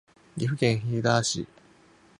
岐阜県飛騨市